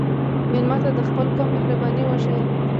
مېلمه ته د خپل قوم مهرباني وښیه.